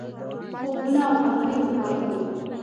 خوبونه او خبرې مو کولې.